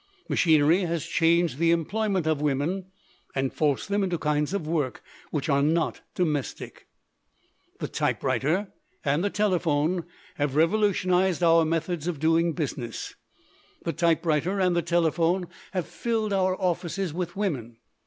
Machinery has changed the employ ment of women and forced them into kinds of work which are not domestic. "The typewriter and the telephone have revo lutionized our methods of doing business. The typewriter and the telephone have filled our offices with women.